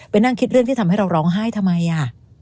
นั่งคิดเรื่องที่ทำให้เราร้องไห้ทำไมอ่ะ